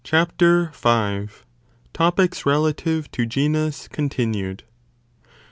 V.—Topics relative to Genus continued. .